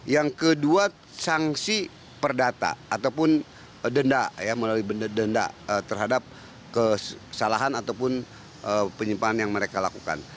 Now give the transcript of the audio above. yang kedua sanksi perdata ataupun denda melalui denda terhadap kesalahan ataupun penyimpanan yang mereka lakukan